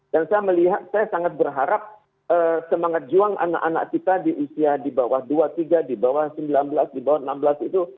dan saya melihat saya sangat berharap semangat juang anak anak kita di usia di bawah dua tiga di bawah sembilan belas di bawah enam belas itu